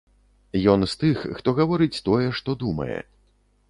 Ён з тых, хто гаворыць тое, што думае.